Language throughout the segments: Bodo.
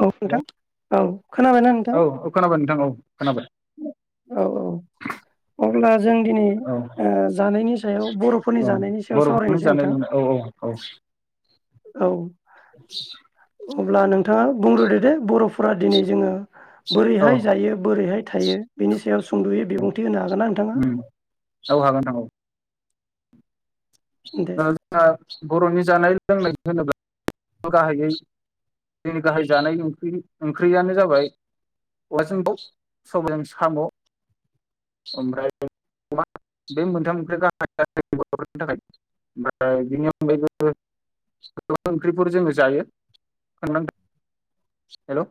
औ हेलौ नोंथां औ। खोनाबायना औ नोंथां? औ खोनाबाय नोंथां औ खोनाबाय। औ औ अब्ला जों दिनै औ ओ जानायनि सायाव बर'फोरनि औ जानायनि सायाव बर'फोरनि सावरायनोसै जानाय नोंथां। लोंनाय औ औ औ औ। अब्ला नोंथाङा बुंग्रोदो दे बर'फोरा दिनै जोङो औ बोरैहाय जायो, बोरैहाय दायो बिनि सायाव सुंद'यै बिबुंथि होनो हागोन ना नोंथाङा? उम औ हागोन दे दा जोंहा बर'नि जानाय [unintelligible] गाहायै जोंनि गाहाय जानाय ओंख्रि ओंख्रियानो जाबाय [unintelligible] दाउ, सबायजों साम', [unintelligible] जों जायो। [unintelligible] हेलौ?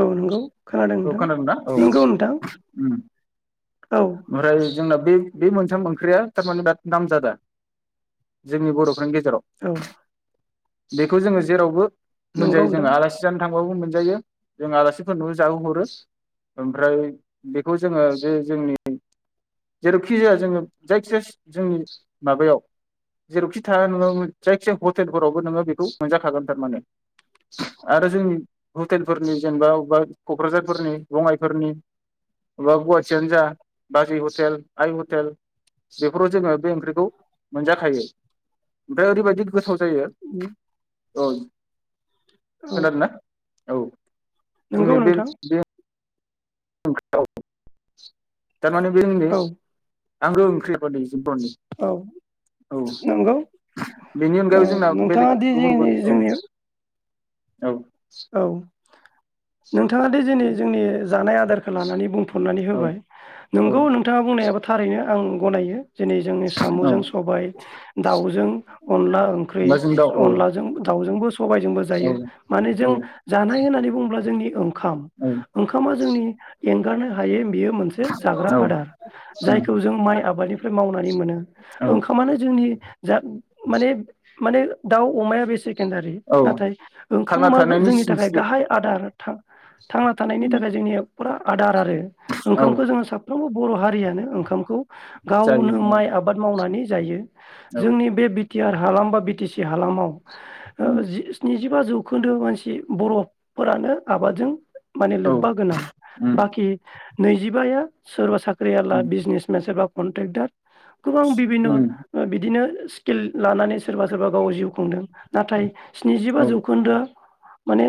औ नंगौ खोनादों औ नोंथां खोनादोंना औ नंगौ नोंथां। औ ओमफ्राय जोंना बे बे मोनथाम ओंख्रिया थारमाने बिराद नामजादा जोंनि बर'फोरनि गे जेराव। औ बेखौ जोङो जेरावबो नंगौ मोनजायो जोङो नोंथां आलासि जानो थां औ मोनजायो। जों आलासिफोरनो जाहो हरो ओमफ्राय बेखौ जोङो जे जोंनि जेरावखि जाया जोङो जायखिजाया जोंनि माबायाव जेरावखि थाया नोङो जायखिजाया हटेलफोरावबो नोङो बेखौ मोनजाखागोन थारमाने आरो जोंनि हटेलफोरनि जेनेबा अबेबा क'क्राझारफोरनि बङाइफोरनि बबेबा गवा थियानो जा, बाजै हटेल, आइ हटेल बेफोराव जोङो बे ओंख्रिखौ मोनजाखायो ओमफ्राय ओरैबायदि गोथाव जायो। औ औ खोनादों ना? औ। नंगौ जोंनि बे नोंथां बे [unintelligible] थारमाने बे औ उननिस आंगो ओंख्रिफोरनि औ [unintelligible] औ नंगौ बेनि ओ अनगायै जोंना बेलेग नोंथाङा दि गुबुन गुबुन जोंनि औ। जोंनि औ। औ। नोंथाङा दि जेनि जोंनि जानाय आदार लानानै बुंफोरनानै औ होबाय, औ नोंगौ नोंथाङा बुंनाय एबा थारैनो आं गनायो। दिनै जोंनि औ साम'जों सबाय, दाउजों अनला ओंख्रि, अनलाजों दाउ औ अनलाजों दाउजोंबो सबाइजोंबो औ जायो माने औ जों जानाय होननानै बुङोब्ला जोंनि खाम ओंखामा जोंनि एंगारनो हायै बेयो मोनसे जाग्रा औ आदार जायखौ जों माइ आबादनिफ्राय मावनानै मोनो औ ओंखामानो जोंनि जा माने माने दाउ अमाया बे से केनदारि औ नाथाय थांना ओंखामा थानायनि जोंनि थाखाय सिनस्रि गाहाय आदार थां-थांना थानायनि थाखाय जोंनि फुरा आदार आरो औ ओंखामखौ जों साफ साफ्रोमबो बर' हारियानो ओंखामखौ जायो गावनो औ माइ आबाद मावनानै जायो। औ जोंनि बे बिथ बि टि आर हालाम बा बिटि सि हालामाव ओ जिस्निजौ बाजौ खोन्दो बायस बे बर'फोरानो आबादजों माने औ लोब्बा गोनां बाखि नैजिबाया सोरबा साद साख्रियाला बिजनेसमेन सोरबा कन्टेक्दार गोबां बिबिनन' ओ बिदिनो किल लानानै सोरबा सोरबा गाव जिउ खुंदों नाथाय स्निजिबा औ जौखोन्दोआ माने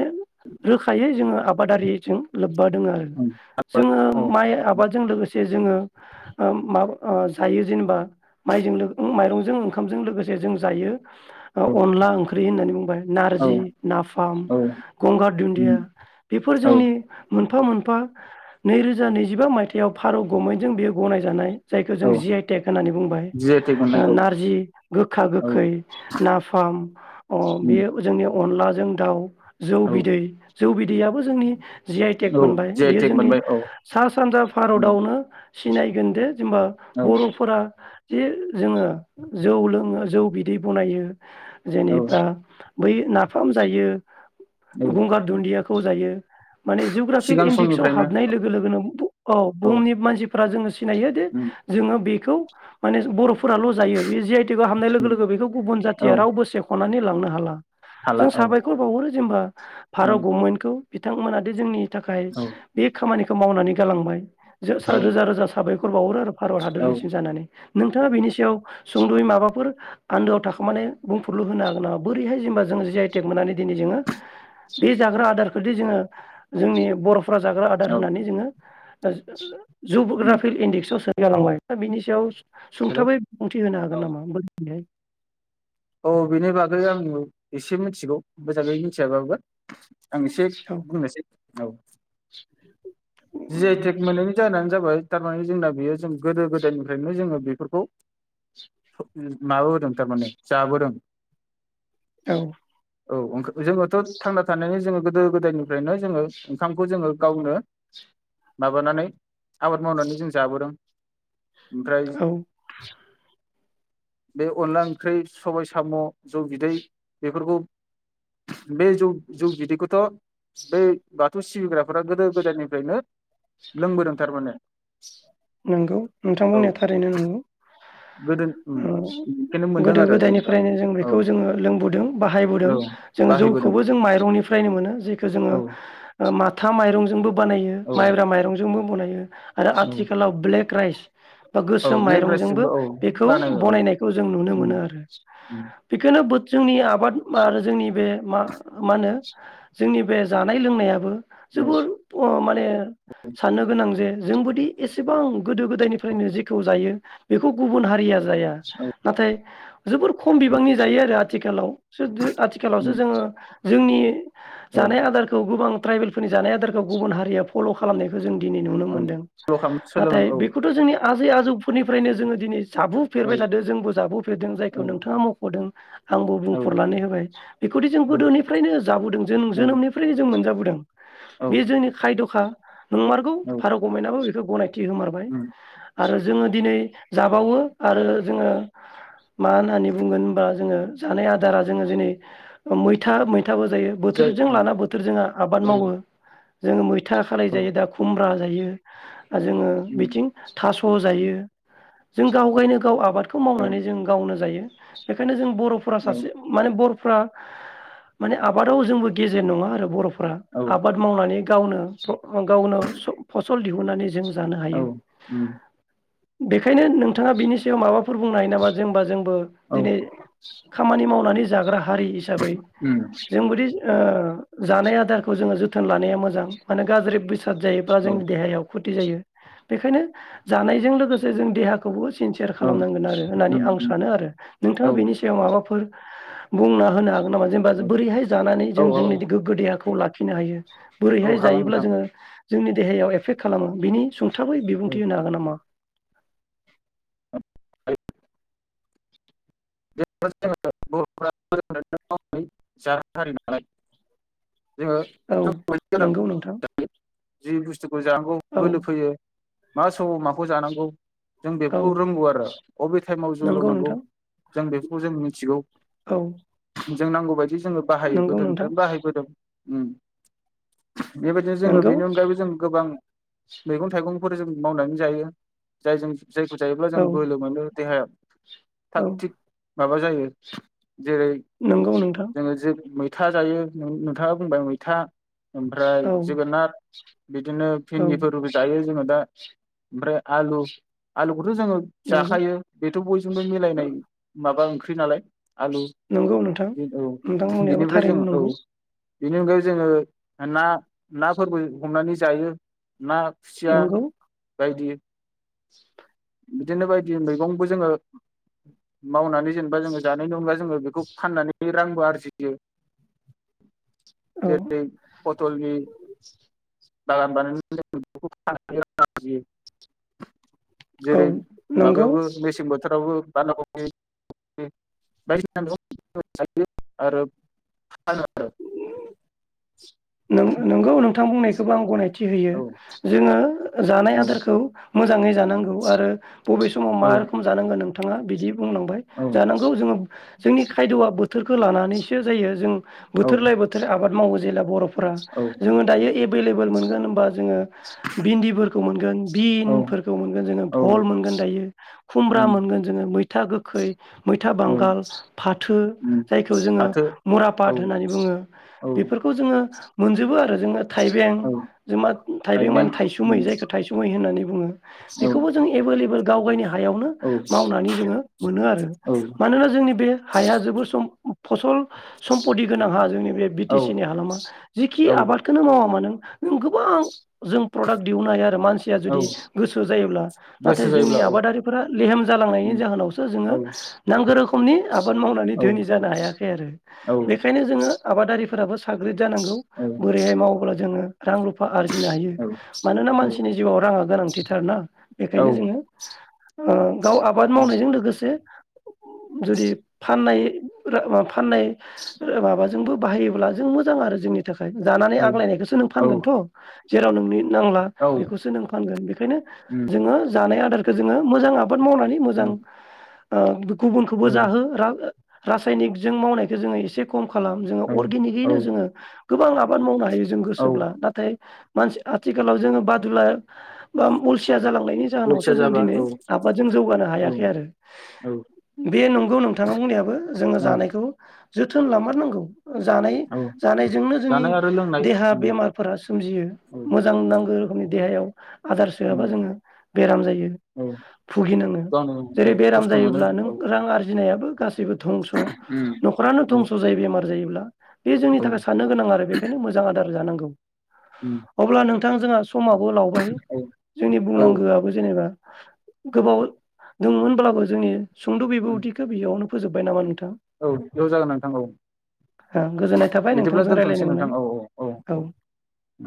रोखायै जोङो आबादारिजों लोब बा दङ आरो, जोङो माइ आबाद जों लोगोसे जोङो मा जायो जेनेबा माइजों माइरंजों ओंखामजों लोगोसे जों जायो अनला ओंख्रि होननानै बुंबाय नारजि नाफाम गंगार दुन्दिया बेफोर औ जोंनि मोनफा मोनफ नैरोजा नैजिबा मायथाइयाव पारत गमेन्टजों बेयो गनायजानाय जायखौ औ जों जि आइ टेक होननानै बुंबाय जि आइ टेक मोननाय औ नारजि गोखा गोखै नाफाम अ बेयो जोंनियाव अनलाजों दाउ जौ औ बिदै जौ बिदैयाबो जोंनि जि आइ टेक औ मोनबाय जि आइ बियो टेक जोंनि मोनबाय औ सा सानजा भारतावनो सिनायगोन दे जेनेबा औ बरफोरा जे जोङो जौ लोङो जौ बिदै बनायो औ जेनेबा बै नाफाम जायो औ गंगार दुनदिया खौ जायो माने जुग्राफिक सिगां इन्डेक्सआव समनिफ्रायनो हाबनाय लोगो लोगोनो औ बुहुमनि मानसि फ्रा जोङो सिनायोदे उम जोङो बे खौ माने बर फोराल जायो बे जि आइ टेकआव हाबनाय लोगो उम लोगो बेखौ गुबुन औ जाथिया रावबो सेखनानै लांनो हाला हाला जों औ साबायखर बावहरो जेनेबा औ भारत गमेन्टखौ बिथांमोना दि जोंनि थाखाय औ बे खामानि खौ मावनानै गालांबाय। जो सा औ रोजा रोजा साबायखर बावहरो आरो भारत औ हादरनि सिम जानानै। नोंथाङा बेनि सायाव? सुंद'यै माबाफोर? आन्दोआव थाखोमानाय बुंफुरलु होनो हागोन नामा बोरैहाय जेनेबा जों जि आइ टेक मोननानै दिनै जोङो? बे जाग्रा आदारखौदि जोङो जोंनि बर' फुरा जाग्रा आदार औ होनानै जोङो [unintelligible] [inaudible] उम जिबअग्राफिल इन्डेक्सआव सो गालांबाय दा बिनि सायाव हेलौ सुंथाबै बिबुंथि होनो हागोन औ नामा? दिनै औ बेनि बागै आं एसे मिथिगौ, मोजाङै मिथियाबाबो। आं एसे औ बुंनोसै। औ‌। जि आइ टेक मोननायनि जाहोनानो जाबाय, थारमाने जोंना बेयो जों गोदो गोदायनिफ्रायनो जोङो बेफोरखौ माबाबोदों थारमाने जाबोदों। औ। औ अंख जोङोथ' थांना थानायनि जोङो गोदो गोदायनिफ्रायनो जोङो, ओंखामखौ जोङो गावनो। माबानानै आबाद मावनानै जों जाबोदों। ओमफ्राय। औ बे अनला ओंख्रि सबाय साम' जौ बिदै बेफोरखौ, बे जौ जौ बिदैखौथ' बे बाथौ सिबिग्राफोरा गोदो गोदायनिफ्रायनो लोंबोदों थारमाने। नंगौ नोंथां औ बुंनाया थारैनो नंगौ। गोदो उम ओ बेखौनो मोनदों गोदो आरो जेनेबा गोदायनिफ्रायनो जों औ बेखौ जोङो लोंबोदों, बाहायबोदों औ जोङो बाहायबोदों जौखौबो जों माइरंनिफ्रायनो मोनो। जेखौ जोङो औ माथा माइरं जोंबो बानायो औ माइब्रा माइरंजोंबो बनाय आरो आथि औ आथिखालाव ब्लेक क्राइस बा औ गोसोम ब्लेक माइरंजोंबो राइसजोंबो औ बेखौ बानायो औ बनायनायखौ जों नुनो उम मोनो आरो, उम बेखौनो बोथ जोंनि आबाद आरो जोंनि बे मा मा होनो जोंनि बे जानाय लोंनायाबो औ जोबोर अ माने साननो गोनां जे जोंबोदि एसेबां गोदो गोदायनिफ्रायनो जेखौ जायो बेखौ गुबुन हारिया जाया, औ नाथाय जोबोर खम औ बिबांनि जायो आरो आथिखालाव, सोद आथिखालावसो उम जोङो जोंनि औ जानाय आदारखौ गोबां ट्राइबेल फोरनि जानाय आदारखौ गुबुन हारिया फल' खा खालामनायखौ जों दिनै नुनो औ मोनदों। स्ल' खालाम सोलों नाथाय औ बेखौथ' जोंनि आजै आजौफोरनिफ्रायनो जोङो दिनै औ जाबुफेरबाय थादों जोंबो जाबुफेरदों औ जायखौ नोंथाङा मख'दों। आंबो औ बुंफोरनानै होबाय बेखौदि जों गोदोनिफ्रायनो जाबोदों जों जोनोमनिफ्रायनो जों मोनजाबो दों औ बे जोंनि खायद'खा नंमारगौ औ भारत गभमेन्टआबो बे खो गनाय थि होमारबाय उम आरो जोङो दिनै जाबावो आरो जोङो मा होननानै बुंगोन होनबा जोङो जानाय आदारा जोङो जेरै मैथा मै थाबो जायो जाय बोथोरजों औ लाना बोथोर जोंहा आबाद मावो। औ जोङो मै था खालाय जायो दा खुमब्रा जायो जोङो उम बिथिं थास' जायो जों गाव गायनो गाव आबादखौ औ मावनानै जों गावनो जायो। बेखायनो जों बर'फोरा सासे माने बर फ्रा माने आबादाव जोंबो गेजेन नङा आरो बर' फ्रा औ आबाद मावनानै गावनो गावनो स फसल दिहुननानै जों जानो औ हायो उम बेखायनो नोंथाङा बिनि सायाव माबा फोर बुंनो हायो नामा जेनेबा जोंबो औ दिनै खामानि मावनानै जाग्रा हारि हिसाबै उम जोंबोदि ओ जानाय आदारखौ जोङो जोथोन लानाया मोजां माने गाज्रि बे साद जायोब्ला औ जोंनि देहायाव खथि बेखायनो जानायजों लोगोसे जों देहाखौबो सिनसेयार औ खालामनांगोन आरो होननानै उम आं उम सानो आरो नोंथाङा औ बेनि सायाव माबाफोर बुंना होनो हा गोन नामा जेनेबा ज बोरैहाय औ जों औ जोंनि गोग्गो देहाखौ लाख खिनो हायो औ बोरैहाय हागोन जायोब्ला नोंथां जोङो जोंनि देहायाव एफेक्ट खालामो बिनि सुं थाबै औ बिबुंथि होनो हागोन नामा? औ [unintelligible] [unintelligible] औ नंगौ नोंथां जि बुस्थुखौ जानांगौ औ बोलो फैयो मा समाव माखौ जानांगौ जों औ बेफोरखौ रोंगौ आरो अबे टाइमाव जौ नंगौ लोंनांगौ नोंथां जों बेखौ जों मिथिगौ औ जों नांगौ बायदि जोङो बाहायो नंगौ नोंथां गोदोनिफ्रायनो बाहायबोदों उम बेबायदिनो जोङो नंगौ बेनि अनगायैबो जों गोबां मैगं थाइगंफोर जों मावनानै जायो जाय जों जायखौ जायोब्ला जों औ बोलो मोनो देहायाव औ थाकथिग माबा जायो जेरै नंगौ नोंथां जोङो जो मै था जायो नोंथाङा बुंबाय मैथा। औ ओमफ्राय जोगोनात बिदिनो औ भिन्दिफोरबो जायो जोङो दा ओमफ्राय आलु आलु खोथ जोङो नंगौ जाखायो बेथ' बयजोंबो ओ मिलायनाय माबा ओंख्रि नालाय आलु नंगौ नोंथां औ नोंथां बुंनायाबो बेनिफ्राय जों थारैनो औ नंगौ बेनि अनगायै जोङो ना नाफोरबो हमनानै जायो ना खुसिया नंगौ बायदि बिदिनो बायदि मैगंबो जोङो मावनानै जेनेबा जोङो जानायनि अनगायै जोङो बेखौ फाननानै बे रांबो आरजियो औ जेरै पथल मिल [unintelligible] औ जेरै नंगौ माबायावबो मेसें बोथ थोराव बो बानदा क [inaudible] बायदिसिना [inaudible] आरो फानो आरो नों-नोंगौ नोंथां बुंनायख- खोबो आं गनाय- थि होयो औ जोंङो जानाय औ आदारखौ मोजाङै जानांगौ आरो बबे समाव मा रोखोम जानांगो नोंथाङा बिदि बुंलांबाय औ जानांगौ जोंङो जोंनि खायद'वआ बो बोथोरखो लानानैसो जायो जों औ बोथोर लाय बोथोर आबाद मावो जेला बर'- औ जोङो दायो एबेलेबोल मोनगोन होमबा जोंङो बिन्दिफोरखौ मोनगोन औ बिनफोरखौ मोनगोन जोंङो औ भल मोनगोन दायो खुम्ब्रा उम मोनगोन जोंङो मैथा गोखै मैथा औ बांगाल फाथो उम जायखौ जोङो फाथो औ मुरापाद होननानै बुङो औ बेफोरखौ जोङो मोनजोबो आरो जोंङो थाइबें औ जोमा थाइबें माने थायसुमै जायखो थायसुमै होननानै बुङो औ बेखौबो जों एबोलेबोल गावगायनि हा- हायावनो औ मावनानै जोङो मोनो आरो औ मानोना जोंनि बे हाया जोबोद सम फसल सम्पटि गोनां हा जोंनि बे औ बि-टि-सि नि हालामा जिखि औ आबादखोनो मावा- मानो नों गोबां जों प्रडाक्ट दिहुननो हाया आरो मानसिया औ जुदि गोसो जायोब्ला नाथाय गोसो जोंनि जायोब्ला औ आबादारिफोरा लेहेम जालांनायनि उम जाहोनावसो औ जोङो नांगो रोखोमनि आबाद मावनानै औ धोनि जानो हायाखै आरो औ बेखायनो जोङो आबादारिफोराबो साग्रिद जानांगौ औ बोरैहाय मावोब्ला जोङो रां रुफा आरजिनो हायो मानोना औ मानसिनि जिउआव राङा गोनांथिथारना औ बेखायनो जोङो ओ गाव आबाद मावनायजों लोगोसे जुदि फाननाय [unintelligible] फाननाय माबा जोंबो बाहायोब्ला जों मोजां आरो जोंनि जानानै औ औ आग्लायनायखौसो नों फानगोनथ' जेराव नोंनि नांला बेखौसो नों फानगोन बेखायनो उम जोंङो जानाया जोंङो मोजां आबाद मावनानै औ मोजां आ गुबुनखौबो औ जाहो रान रासायनिकजों मावनायखौ जोङो एसे खम खालाम जोङो औ औ अर्गेनिकयैनो जोङो गोबां आबाद मावनो हायो। जों औ गोसोब्ला नाथाय मानसि आथिखालाव जो बादुला बा अलसिया जालांनायनि जाहोनावो अलसिया जों जाबा दिनै औ आबादजों जौगानो औ हायाखै आरो औ बे नंगौ नोंथाङा बुंनायाबो जोङो औ जानायखौ जोथोन लामारांगौ जानाय औ जानाय [unintelligible] जोंनि जानाय आरो लोंनाय देहा उम बेमारफोरा सोमजियो औ मोजां नांगो रोखोमनि देहायाव आदार सोआबा उम जोङो बेराम जायो। औ भुगि नाङो गावनो औ जेरै बेराम खस्थ' मोनो जायोब्ला नों औ रां आर्जिनायाबो जेबो धंस' उम न'खरानो औ धंस' जायो बेमार जायोब्ला। बे जोंनि औ थाखाय नो गोनां आरो बेखायनो मोजां आदार दार जानांगौ। उम अब्ला नों थां जोंहा समाबो लावबाय औ जोंनि औ बुंनांगौआबो जेनेबा गोबाव दङमोनबाबो जोंनि सुंद' औ बिबुंथिखो बेयावनो फोजोबबाय नामा नोंथा औ ज' जागोन नोंथां औ बिदि थोंजों रायलायनो मोननानै औ। उम